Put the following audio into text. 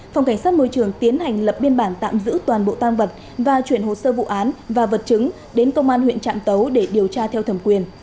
phòng cảnh sát môi trường tiến hành lập biên bản tạm giữ toàn bộ tang vật và chuyển hồ sơ vụ án và vật chứng đến công an huyện trạm tấu để điều tra theo thẩm quyền